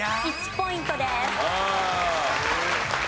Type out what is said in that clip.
３ポイントです。